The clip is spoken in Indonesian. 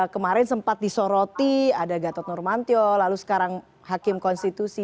kemarin sempat disoroti ada gatot nurmantio lalu sekarang hakim konstitusi